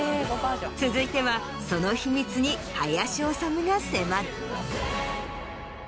続いてはその秘密に林修が迫る。